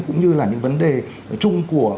cũng như là những vấn đề trung của